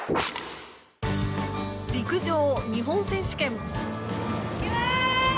陸上日本選手権。